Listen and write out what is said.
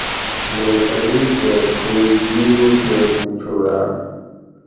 لوفری کہ کھُوش گِرو کہ مُو چھوراۤ